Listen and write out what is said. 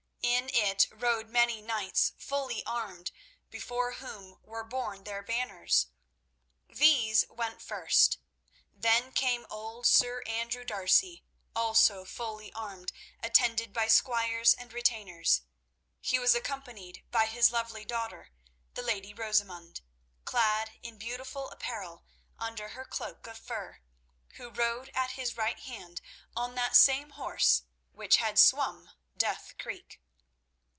In it rode many knights fully armed, before whom were borne their banners. These went first. Then came old Sir Andrew D'Arcy, also fully armed, attended by squires and retainers. He was accompanied by his lovely daughter, the lady Rosamund, clad in beautiful apparel under her cloak of fur, who rode at his right hand on that same horse which had swum Death Creek.